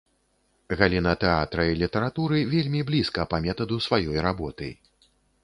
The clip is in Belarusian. Галіна тэатра і літаратуры вельмі блізка па метаду сваёй работы.